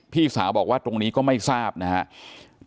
พี่สาวบอกว่าตรงนี้ก็ไม่ทราบนะครับ